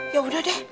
ya udah deh